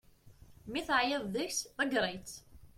Mi teɛyiḍ deg-s ḍegger-itt.